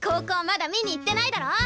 まだ見に行ってないだろ？